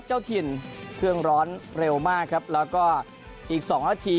เจ้าถิ่นเครื่องร้อนเร็วมากครับแล้วก็อีกสองนาที